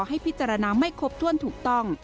ให้พิจารณาไม่ครบถ้วนถูกต้อง